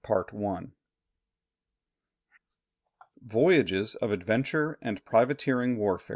CHAPTER IV. VOYAGES OF ADVENTURE AND PRIVATEERING WARFARE.